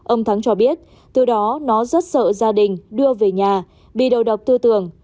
ông thắng cho biết từ đó nó rất sợ gia đình đưa về nhà bị đầu độc tư tưởng